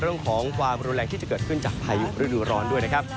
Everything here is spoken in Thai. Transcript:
เรื่องของความรุนแรงที่จะเกิดขึ้นจากพายุฤดูร้อนด้วยนะครับ